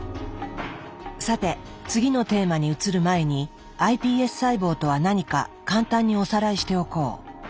さて次のテーマに移る前にｉＰＳ細胞とは何か簡単におさらいしておこう。